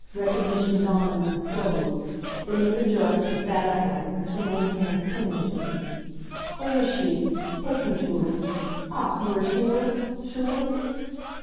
Recognition dawned in them slowly. Then, with a jerk, she sat upright, her trembling hands clinging to me. "Where is she? Take me to her. Ach, you are sure sure?"